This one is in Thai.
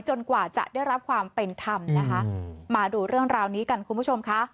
กว่าจะได้รับความเป็นธรรมนะคะมาดูเรื่องราวนี้กันคุณผู้ชมค่ะ